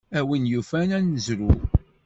A win yufan ad nezrew.